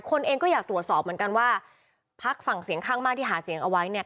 คนเองก็อยากตรวจสอบเหมือนกันว่าพักฝั่งเสียงข้างมากที่หาเสียงเอาไว้เนี่ย